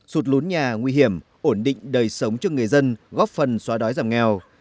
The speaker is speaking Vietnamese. sụt lún nhà nguy hiểm ổn định đời sống cho người dân góp phần xóa đói giảm nghèo